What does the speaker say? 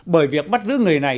bởi việc bắt giữ người này